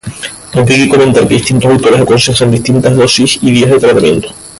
Aunque hay que comentar que distintos autores aconsejan distintas dosis y días de tratamiento.